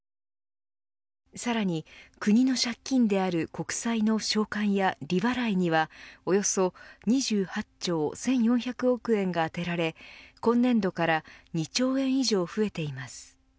さらに、国の借金である国債の償還や利払いにはおよそ２８兆１４００億円があてられ今年度から２兆円以上増えています。